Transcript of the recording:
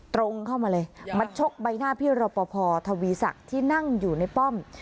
ตรงเข้ามาเลยมาชกใบหน้าพี่รอปภทวีศักดิ์ที่นั่งอยู่ในป้อม